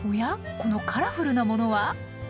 このカラフルなものは？